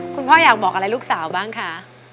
พ่ออยากบอกอะไรลูกสาวบ้างคะ